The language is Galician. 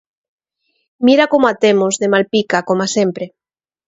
Mira como a temos, de Malpica, coma sempre...